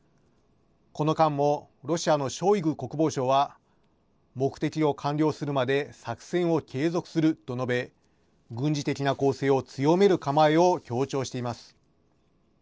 この間もロシアのショイグ国防相は、目的を完了するまで作戦を継続すると述べ、軍事的な攻勢を強める構えを強調しています。